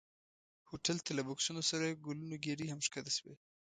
هوټل ته له بکسونو سره ګلونو ګېدۍ هم ښکته شوې.